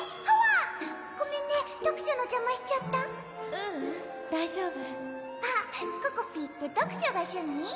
ごめんね読書の邪魔しちゃっううん大丈夫あっここぴーって読書が趣味？